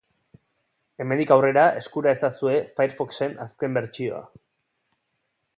Hemendik aurrera eskura ezazue Firefoxen azken bertsioa.